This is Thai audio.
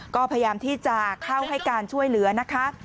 ก็พยายามที่จะเข้าให้การช่วยเหลือนะคะ